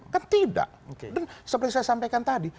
kan tidak dan seperti saya sampaikan tadi